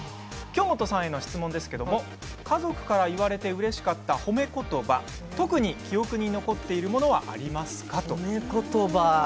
京本さんへの質問ですけれども家族から言われてうれしかった褒めことば特に記憶に残っているものはありますか。